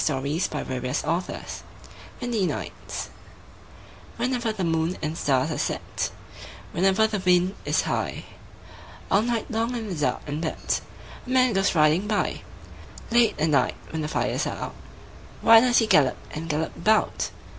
CHARLES MACKAY WINDY NIGHTS Whenever the moon and stars are set, Whenever the wind is high, All night long in the dark and wet. A man goes riding by, Late at night when the fires are out, Why does he gallop and gallop about?